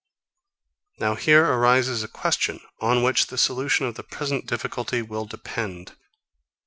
Now here arises a question, on which the solution of the present difficulty will depend.